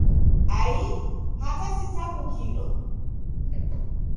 Ai, hata sitambukilo!